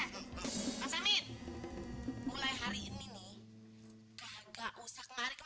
hai ini jalan terbaik buat kita akan cari